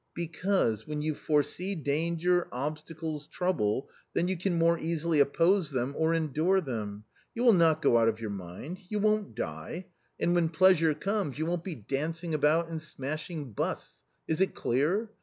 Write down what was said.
Because when you fore see danger, obstacles, trouble, then you can more easily oppose them or endure them ; you will not go out of your mind ; you won't die ; and when pleasure comes, you won't A COMMON STORY 81 be dancing about and smashing busts — is it clear